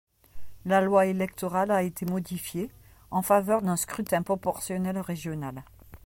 La loi électorale a été modifiée, en faveur d'un scrutin proportionnel régional.